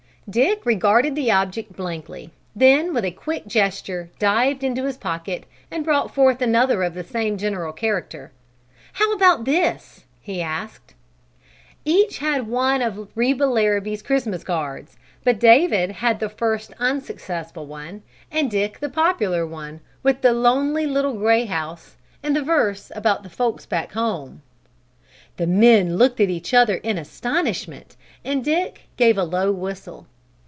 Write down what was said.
Dick regarded the object blankly, then with a quick gesture dived into his pocket and brought forth another of the same general character. "How about this?" he asked. Each had one of Reba Larrabee's Christmas cards but David had the first unsuccessful one and Dick the popular one with the lonely little gray house and the verse about the folks back home. The men looked at each other in astonishment and Dick gave a low whistle.